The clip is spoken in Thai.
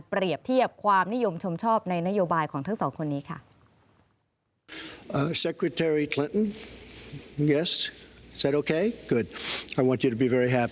เทียบความนิยมชมชอบในนโยบายของทั้งสองคนนี้ค่ะ